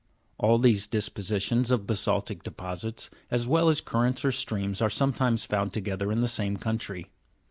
All these dispositions of basa'ltic deposits, as well as currents or streams, are sometimes found together in the same country.